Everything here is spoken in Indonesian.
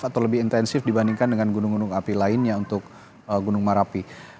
atau lebih intensif dibandingkan dengan gunung gunung api lainnya untuk gunung merapi